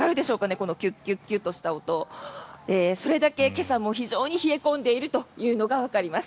このキュッキュッキュッとした音それだけ今朝も非常に冷え込んでいるというのがわかります。